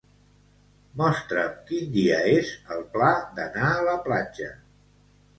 Mostra'm quin dia és el pla d'anar a la platja.